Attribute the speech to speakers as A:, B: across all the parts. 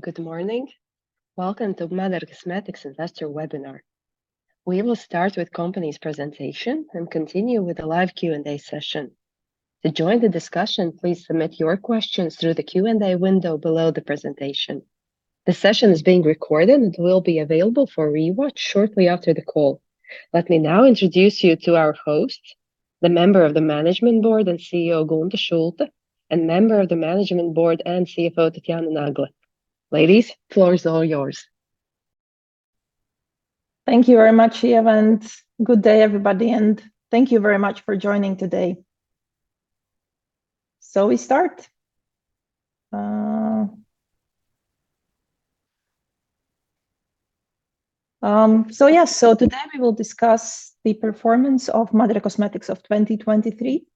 A: Good morning. Welcome to MÁDARA Cosmetics Investor Webinar. We will start with company's presentation and continue with a live Q&A session. To join the discussion, please submit your questions through the Q&A window below the presentation. The session is being recorded and will be available for re-watch shortly after the call. Let me now introduce you to our host, the Member of the Management Board and CEO, Gunta Šulte, and Member of the Management Board and CFO, Tatjana Nagle. Ladies, floor is all yours.
B: Thank you very much, Ieva, and good day, everybody, and thank you very much for joining today. We start. Today, we will discuss the performance of MÁDARA Cosmetics of 2023.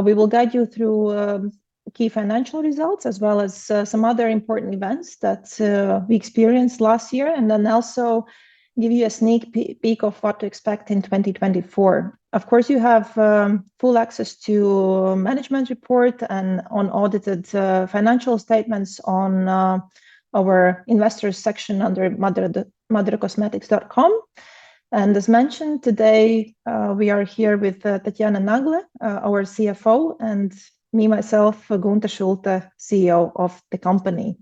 B: We will guide you through key financial results as well as some other important events that we experienced last year, and then also give you a sneak peek of what to expect in 2024. Of course, you have full access to the management report and the audited financial statements in our investors section under madaracosmetics.com. As mentioned today, we are here with Tatjana Nagle, our CFO, and me, myself, Gunta Šulte, CEO of the company.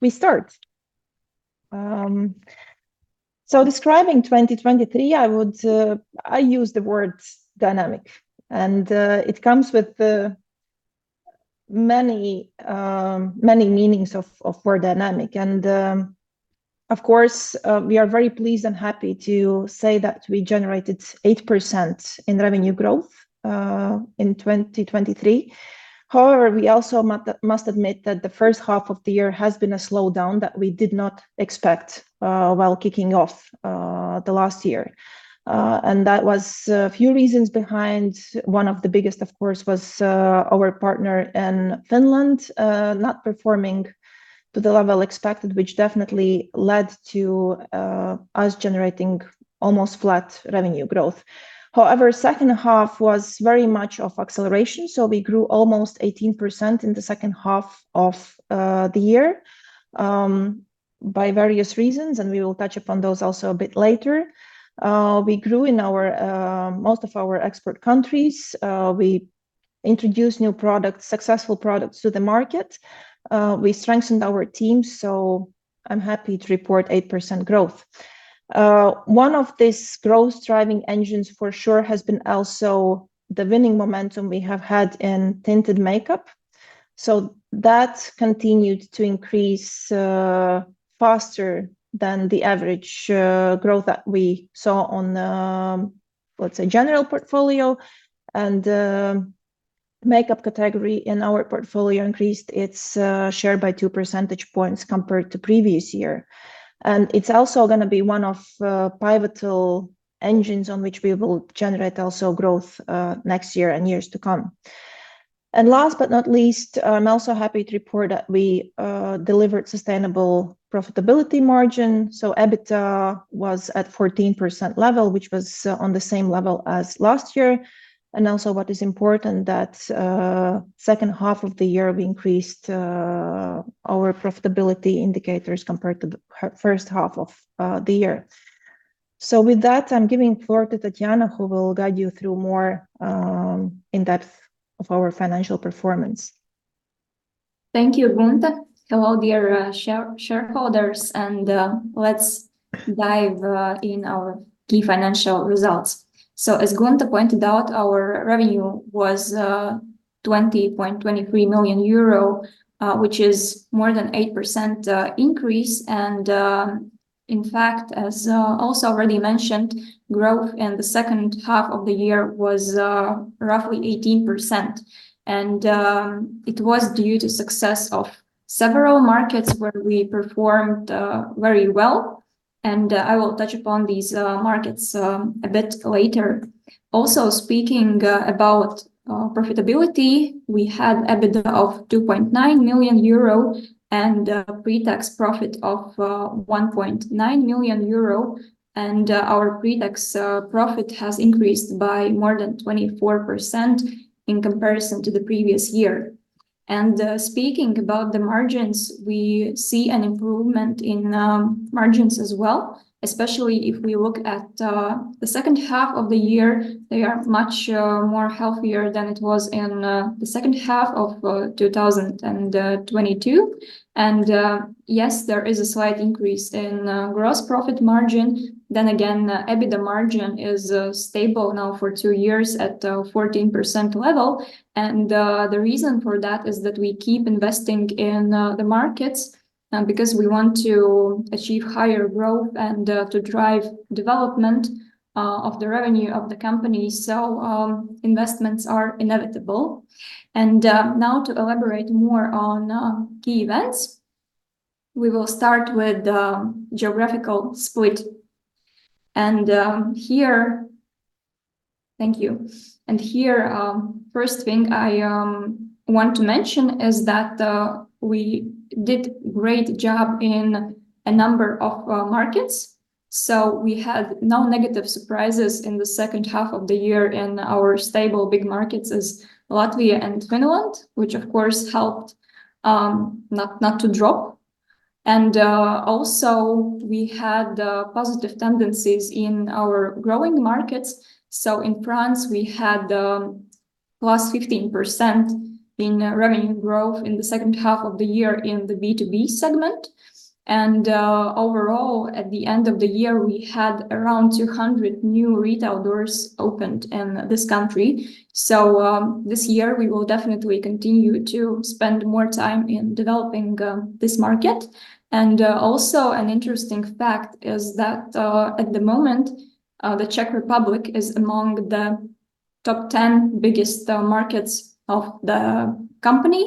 B: We start. Describing 2023, I use the word dynamic, and it comes with many meanings of the word dynamic. Of course, we are very pleased and happy to say that we generated 8% in revenue growth in 2023. However, we also must admit that the first half of the year has been a slowdown that we did not expect while kicking off the last year. There were a few reasons behind. One of the biggest, of course, was our partner in Finland not performing to the level expected, which definitely led to us generating almost flat revenue growth. However, second half was very much an acceleration, so we grew almost 18% in the second half of the year for various reasons, and we will touch upon those also a bit later. We grew in most of our export countries. We introduced new products, successful products to the market. We strengthened our team, so I'm happy to report 8% growth. One of these growth-driving engines for sure has been also the winning momentum we have had in tinted makeup. That continued to increase faster than the average growth that we saw on, let's say, general portfolio. The makeup category in our portfolio increased its share by 2 percentage points compared to previous year. It's also going to be one of pivotal engines on which we will generate also growth next year and years to come. Last but not least, I'm also happy to report that we delivered sustainable profitability margin. EBITDA was at 14% level, which was on the same level as last year. Also what is important, that second half of the year, we increased our profitability indicators compared to the first half of the year. With that, I'm giving floor to Tatjana, who will guide you through more in depth of our financial performance.
C: Thank you, Gunta. Hello, dear shareholders, and let's dive into our key financial results. As Gunta pointed out, our revenue was 20.23 million euro, which is more than 8% increase. In fact, as also already mentioned, growth in the second half of the year was roughly 18%. It was due to success of several markets where we performed very well. I will touch upon these markets a bit later. Also, speaking about profitability, we had EBITDA of 2.9 million euro and pre-tax profit of 1.9 million euro. Our pre-tax profit has increased by more than 24% in comparison to the previous year. Speaking about the margins, we see an improvement in margins as well, especially if we look at the second half of the year. They are much more healthier than it was in the second half of 2022. Yes, there is a slight increase in gross profit margin. Again, the EBITDA margin is stable now for two years at 14% level. The reason for that is that we keep investing in the markets because we want to achieve higher growth and to drive development of the revenue of the company. Investments are inevitable. Now to elaborate more on key events, we will start with the geographical split. Here, thank you. Here, first thing I want to mention is that we did great job in a number of markets. We had no negative surprises in the second half of the year in our stable big markets as Latvia and Finland, which of course helped not to drop. Also we had positive tendencies in our growing markets. In France we had +15% in revenue growth in the second half of the year in the B2B segment. Overall, at the end of the year, we had around 200 new retail doors opened in this country. This year we will definitely continue to spend more time in developing this market. Also an interesting fact is that, at the moment, the Czech Republic is among the top 10 biggest markets of the company.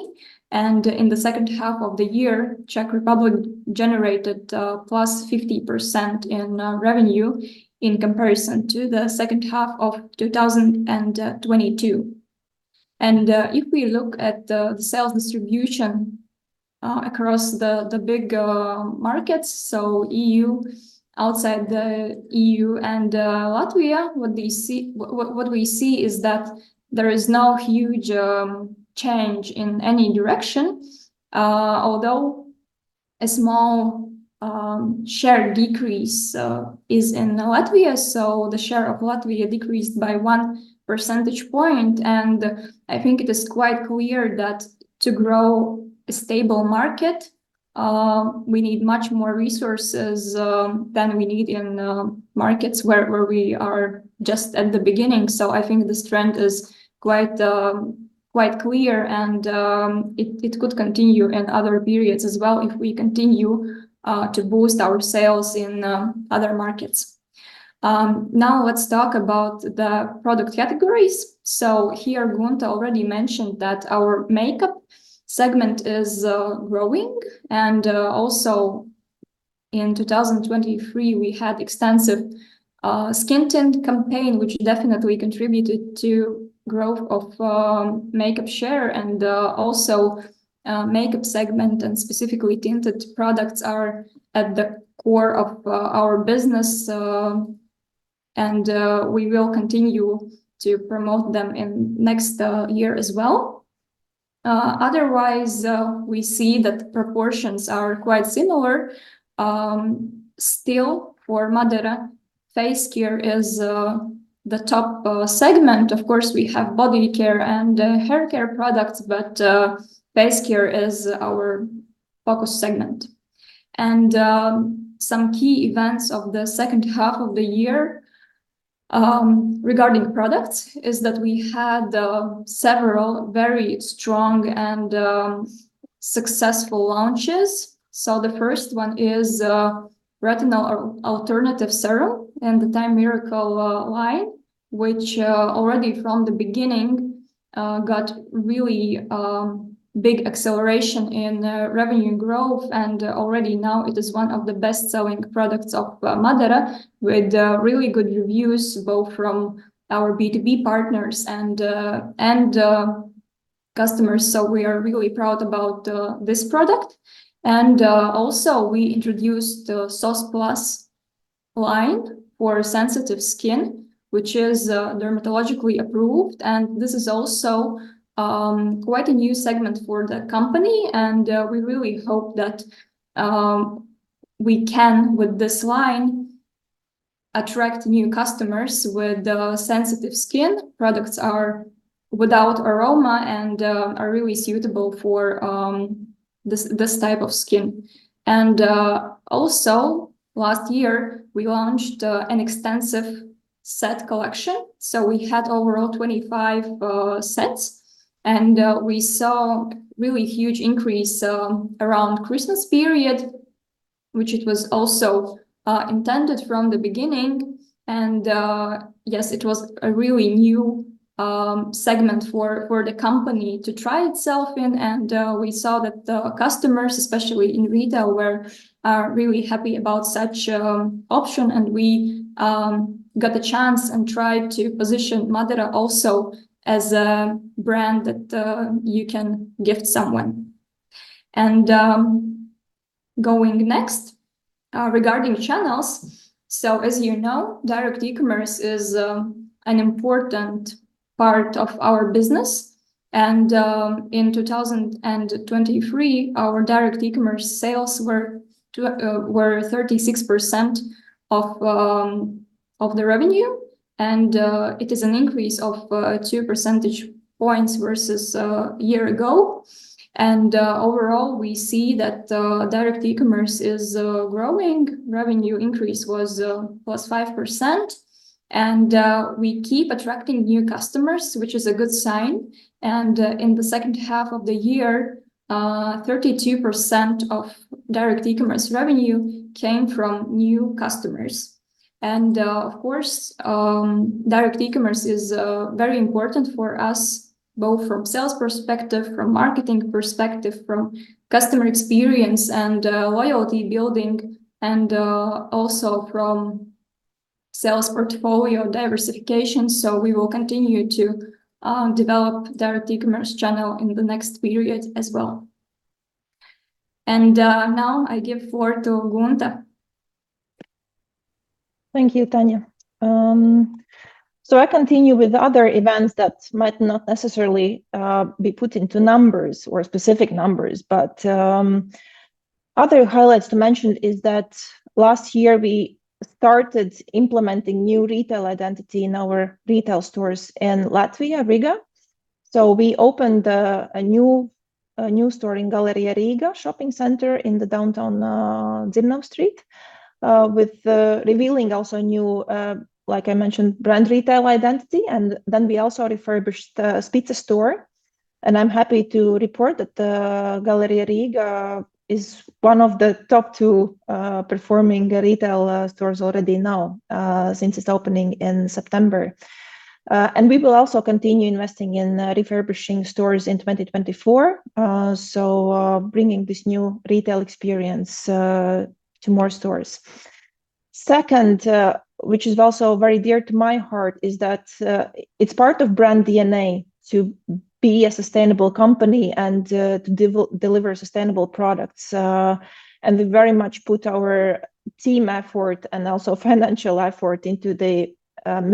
C: In the second half of the year, Czech Republic generated +50% in revenue in comparison to the second half of 2022. If we look at the sales distribution across the big markets, so E.U., outside the E.U., and Latvia, what we see is that there is no huge change in any direction. Although a small share decrease is in Latvia. The share of Latvia decreased by 1 percentage point. I think it is quite clear that to grow a stable market, we need much more resources than we need in markets where we are just at the beginning. I think this trend is quite clear, and it could continue in other periods as well if we continue to boost our sales in other markets. Now let's talk about the product categories. Here Gunta already mentioned that our makeup segment is growing. Also in 2023, we had extensive skin tint campaign, which definitely contributed to growth of makeup share and also makeup segment, and specifically tinted products are at the core of our business. We will continue to promote them in next year as well. Otherwise, we see that proportions are quite similar. Still, for MÁDARA, face care is the top segment. Of course, we have body care and hair care products, but face care is our focus segment. Some key events of the second half of the year regarding products is that we had several very strong and successful launches. The first one is Retinol Alternative Serum in the TIME MIRACLE line, which already from the beginning, got really big acceleration in revenue growth. Already now it is one of the best-selling products of MÁDARA with really good reviews, both from our B2B partners and customers. We are really proud about this product. Also we introduced SOS+ line for sensitive skin, which is dermatologically approved. This is also quite a new segment for the company, and we really hope that we can, with this line, attract new customers with sensitive skin. Products are without aroma and are really suitable for this type of skin. Also last year, we launched an extensive set collection. We had overall 25 sets, and we saw really huge increase around Christmas period, which it was also intended from the beginning. Yes, it was a really new segment for the company to try itself in. We saw that the customers, especially in retail, were really happy about such option. We got the chance and tried to position MÁDARA also as a brand that you can gift someone. Going next, regarding channels. As you know, direct e-commerce is an important part of our business. In 2023, our direct e-commerce sales were 36% of the revenue. It is an increase of two percentage points versus a year ago. Overall, we see that direct e-commerce is growing. Revenue increase was +5%. We keep attracting new customers, which is a good sign. In the second half of the year, 32% of direct e-commerce revenue came from new customers. Of course, direct e-commerce is very important for us, both from sales perspective, from marketing perspective, from customer experience and loyalty building, and also from sales portfolio diversification. We will continue to develop direct e-commerce channel in the next period as well. Now I give floor to Gunta.
B: Thank you, Tatjana. I continue with other events that might not necessarily be put into numbers or specific numbers, but other highlights to mention is that last year we started implementing new retail identity in our retail stores in Latvia, Riga. We opened a new store in Galleria Riga shopping center in the downtown Dzirnavu Street, with revealing also new, like I mentioned, brand retail identity. Then we also refurbished a Spice store. I'm happy to report that Galleria Riga is one of the top two performing retail stores already now since its opening in September. We will also continue investing in refurbishing stores in 2024, so bringing this new retail experience to more stores. Second, which is also very dear to my heart, is that it's part of brand DNA to be a sustainable company and to deliver sustainable products. We very much put our team effort and also financial effort into the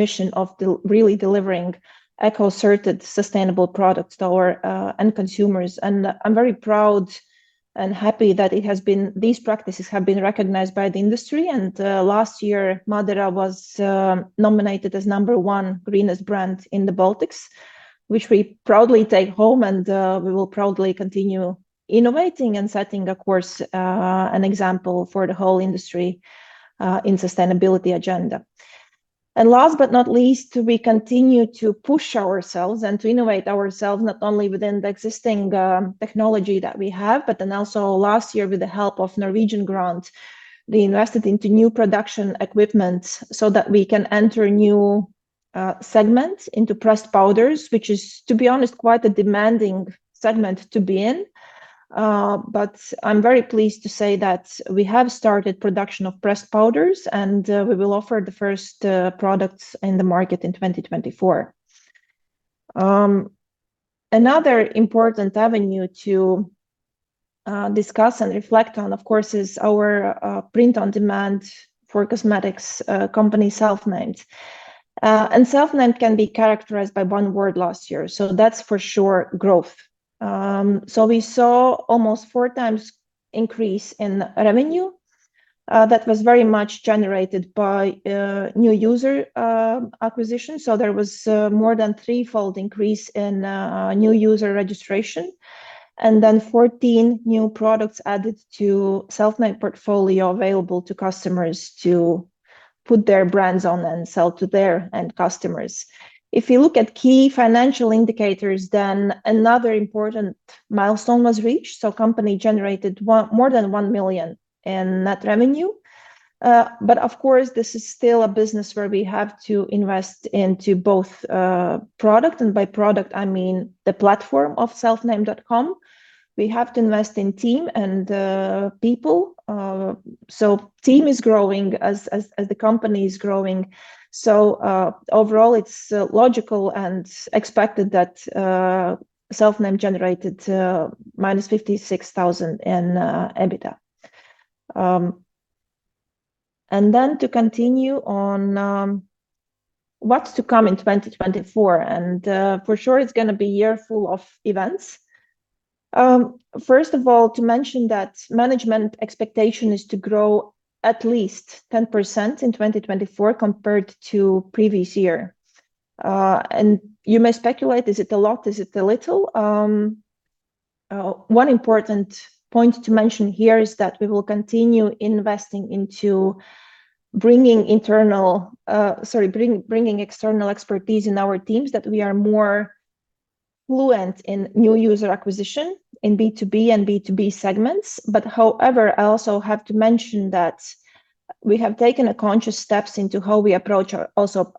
B: mission of really delivering eco-certified sustainable products to our end consumers. I'm very proud and happy that these practices have been recognized by the industry. Last year, MÁDARA was nominated as number one greenest brand in the Baltics, which we proudly take home, and we will proudly continue innovating and setting a course, an example for the whole industry in sustainability agenda. Last but not least, we continue to push ourselves and to innovate ourselves, not only within the existing technology that we have, but then also last year with the help of Norwegian grant, we invested into new production equipment so that we can enter new segments into pressed powders, which is, to be honest, quite a demanding segment to be in. I'm very pleased to say that we have started production of pressed powders, and we will offer the first products in the market in 2024. Another important avenue to discuss and reflect on, of course, is our print on demand for cosmetics company, Selfnamed. Selfnamed can be characterized by one word last year, so that's for sure growth. We saw almost 4x increase in revenue. That was very much generated by new user acquisition. There was more than threefold increase in new user registration, and then 14 new products added to Selfnamed portfolio available to customers to put their brands on and sell to their end customers. If you look at key financial indicators, then another important milestone was reached. Company generated more than 1 million in net revenue. Of course, this is still a business where we have to invest into both product, and by product I mean the platform of selfnamed.com. We have to invest in team and people. Team is growing as the company's growing. Overall, it's logical and expected that Selfnamed generated -56,000 in EBITDA. Then to continue on what's to come in 2024, and for sure it's going to be a year full of events. First of all, to mention that management expectation is to grow at least 10% in 2024 compared to previous year. You may speculate, is it a lot? Is it a little? One important point to mention here is that we will continue investing into bringing external expertise in our teams, that we are more fluent in new user acquisition in B2B and B2B segments. However, I also have to mention that we have taken conscious steps into how we approach our also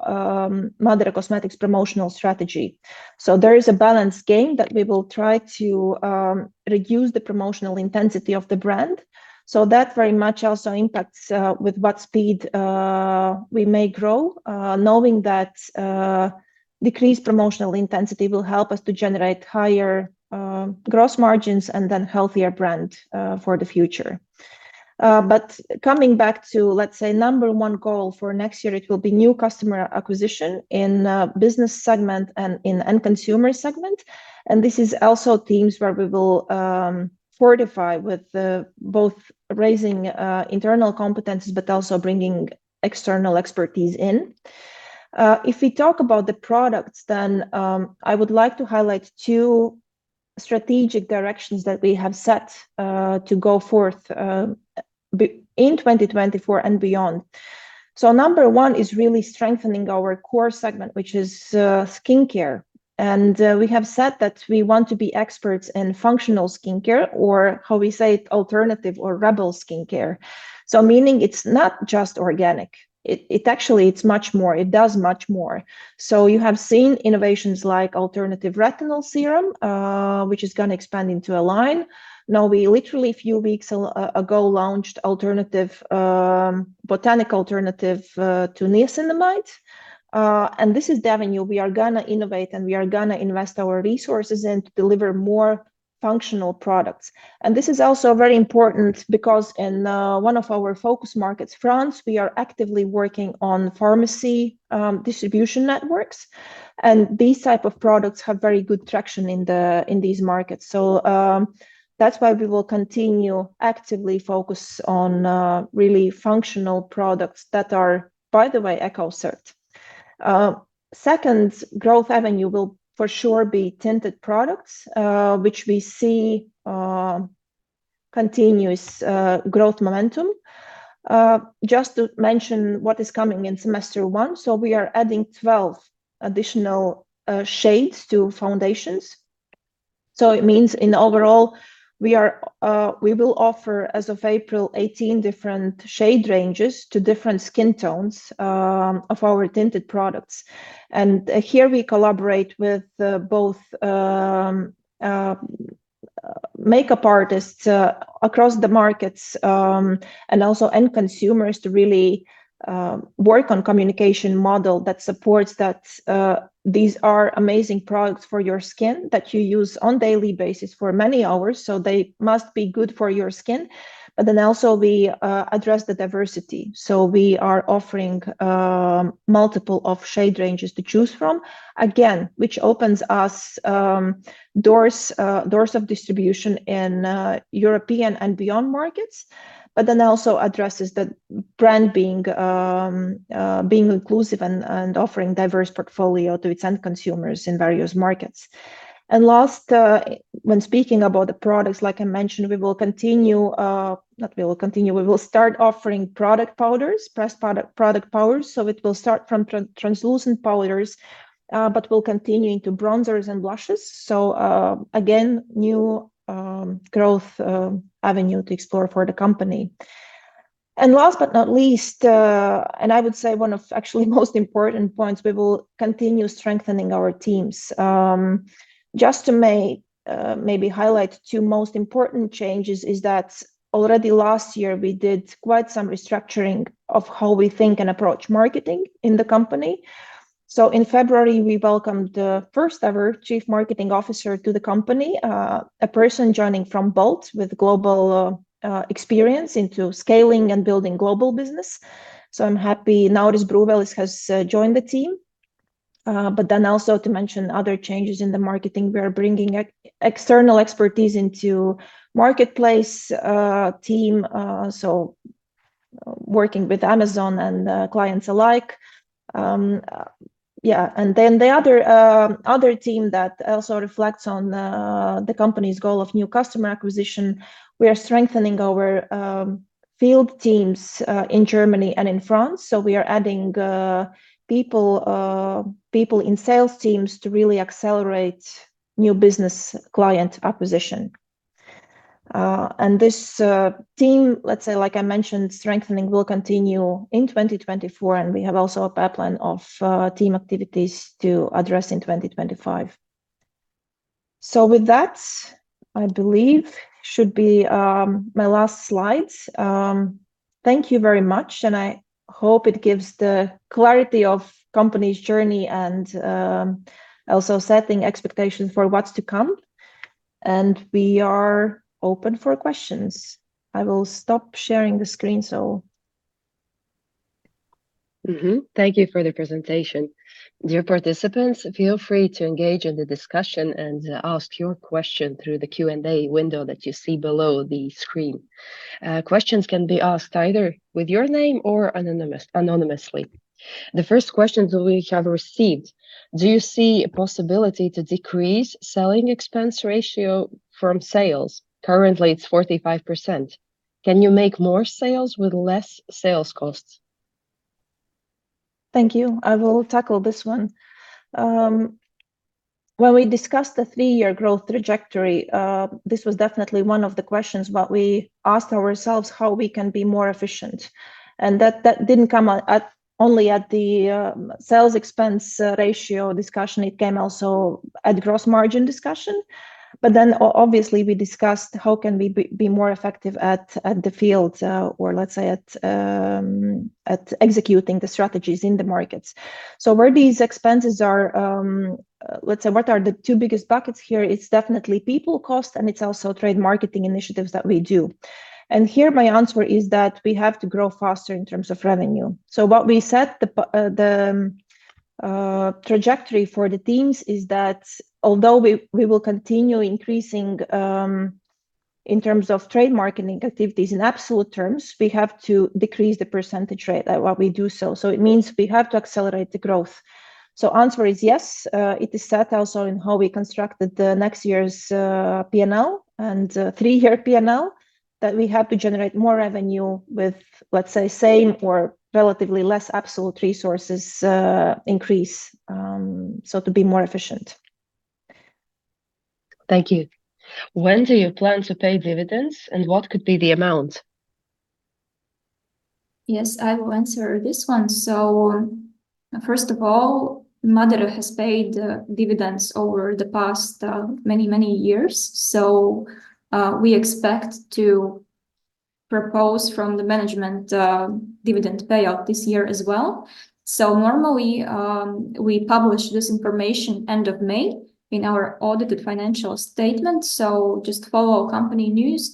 B: MÁDARA Cosmetics promotional strategy. There is a balance game that we will try to reduce the promotional intensity of the brand. That very much also impacts with what speed we may grow, knowing that decreased promotional intensity will help us to generate higher gross margins and then healthier brand for the future. Coming back to, let's say, number one goal for next year, it will be new customer acquisition in business segment and in end consumer segment. This is also themes where we will fortify with both raising internal competencies, but also bringing external expertise in. If we talk about the products, then I would like to highlight two strategic directions that we have set to go forth in 2024 and beyond. Number one is really strengthening our core segment, which is skincare. We have said that we want to be experts in functional skincare or how we say it, alternative or rebel skincare. Meaning it's not just organic, it actually it's much more. It does much more. You have seen innovations like Retinol Alternative Serum, which is going to expand into a line. Now we literally a few weeks ago launched botanic alternative to niacinamide. This is the avenue we are going to innovate, and we are going to invest our resources in to deliver more functional products. This is also very important because in one of our focus markets, France, we are actively working on pharmacy distribution networks. These type of products have very good traction in these markets. That's why we will continue actively focus on really functional products that are, by the way, ECOCERT. Second growth avenue will for sure be tinted products, which we see continuous growth momentum. Just to mention what is coming in semester one. We are adding 12 additional shades to foundations. It means in overall, we will offer, as of April, 18 different shade ranges to different skin tones of our tinted products. Here we collaborate with both makeup artists across the markets, and also end consumers to really work on communication model that supports that these are amazing products for your skin that you use on daily basis for many hours, so they must be good for your skin. We address the diversity. We are offering multiple of shade ranges to choose from, again, which opens us doors of distribution in European and beyond markets, but then also addresses the brand being inclusive and offering diverse portfolio to its end consumers in various markets. Last, when speaking about the products, like I mentioned, we will start offering product powders, pressed product powders. It will start from translucent powders, but will continue into bronzers and blushes. Again, new growth avenue to explore for the company. Last but not least, and I would say one of actually most important points, we will continue strengthening our teams. Just to maybe highlight two most important changes is that already last year, we did quite some restructuring of how we think and approach marketing in the company. In February, we welcomed the first-ever chief marketing officer to the company, a person joining from Bolt with global experience into scaling and building global business. I'm happy now this Bruvelis has joined the team. Also to mention other changes in the marketing, we are bringing external expertise into marketplace team, so working with Amazon and clients alike. Yeah. The other team that also reflects on the company's goal of new customer acquisition, we are strengthening our field teams in Germany and in France. We are adding people in sales teams to really accelerate new business client acquisition. This team, let's say, like I mentioned, strengthening will continue in 2024, and we have also a pipeline of team activities to address in 2025. With that, I believe should be my last slides. Thank you very much, and I hope it gives the clarity of company's journey and also setting expectations for what's to come. We are open for questions. I will stop sharing the screen.
A: Thank you for the presentation. Dear participants, feel free to engage in the discussion and ask your question through the Q&A window that you see below the screen. Questions can be asked either with your name or anonymously. The first question that we have received: Do you see a possibility to decrease selling expense ratio from sales? Currently, it's 45%. Can you make more sales with less sales costs?
B: Thank you. I will tackle this one. When we discussed the three-year growth trajectory, this was definitely one of the questions that we asked ourselves how we can be more efficient. That didn't come only at the sales expense ratio discussion. It came also at gross margin discussion. Obviously, we discussed how can we be more effective in the field, or let's say, at executing the strategies in the markets. Where these expenses are, let's say, what are the two biggest buckets here? It's definitely people cost, and it's also trade marketing initiatives that we do. Here, my answer is that we have to grow faster in terms of revenue. What we set the trajectory for the teams is that although we will continue increasing, in terms of trade marketing activities, in absolute terms, we have to decrease the percentage rate, while we do so. It means we have to accelerate the growth. Answer is yes. It is set also in how we constructed the next year's P&L and three-year P&L, that we have to generate more revenue with, let's say, same or relatively less absolute resources increase, so to be more efficient.
A: Thank you. When do you plan to pay dividends, and what could be the amount?
C: Yes, I will answer this one. First of all, MÁDARA has paid dividends over the past many, many years. We expect to propose from the management dividend payout this year as well. Normally, we publish this information end of May in our audited financial statement. Just follow company news.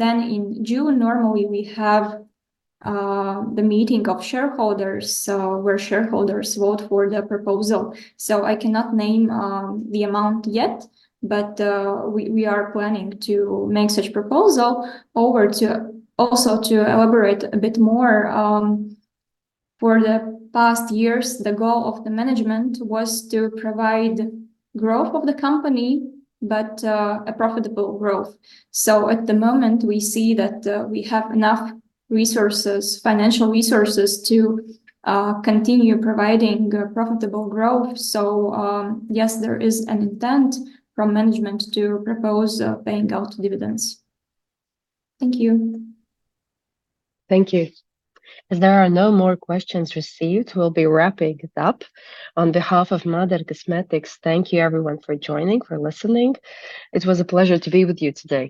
C: Then in June, normally, we have the meeting of shareholders, where shareholders vote for the proposal. I cannot name the amount yet, but we are planning to make such proposal. Also to elaborate a bit more, for the past years, the goal of the management was to provide growth of the company, but a profitable growth. At the moment, we see that we have enough resources, financial resources. Yes, there is an intent from management to propose paying out dividends. Thank you.
A: Thank you. As there are no more questions received, we'll be wrapping it up. On behalf of MÁDARA Cosmetics, thank you everyone for joining, for listening. It was a pleasure to be with you today.